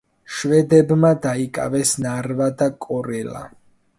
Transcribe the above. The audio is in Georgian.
შვედებმა დაიკავეს ნარვა და კორელა.